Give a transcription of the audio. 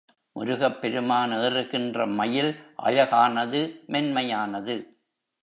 முருகப் பெருமான் ஏறுகின்ற மயில் அழகானது மென்மையானது.